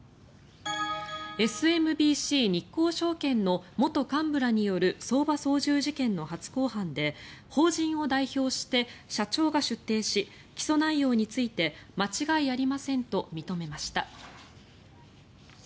ＳＭＢＣ日興証券の元幹部らによる相場操縦事件の初公判で法人を代表して社長が出廷し起訴内容について間違いありませんと認めました。